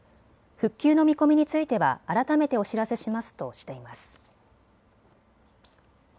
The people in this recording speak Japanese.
復旧の見込みについては改めてお知らせしますとしています。